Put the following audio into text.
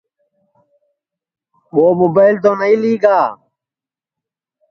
ٻو مُبیل تو نائی لی گا